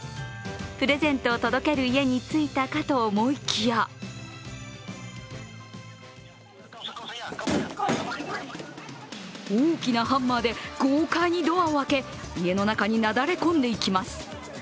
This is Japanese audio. プレゼントを届ける家に着いたかと思いきや大きなハンマーで豪快にドアを開け、家の中になだれ込んでいきます。